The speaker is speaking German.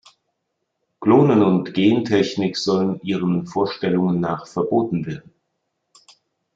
Klonen und Gentechnik sollen ihren Vorstellungen nach verboten werden.